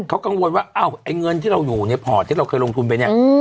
เขากังวลว่าอ้าวไอ้เงินที่เราอยู่ในพอร์ตที่เราเคยลงทุนไปเนี่ย